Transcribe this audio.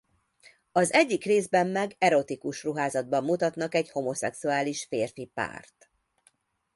Az egyik részben meg erotikus ruházatban mutatnak egy homoszexuális férfi párt.